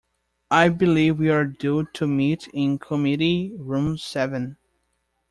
I believe we are due to meet in committee room seven.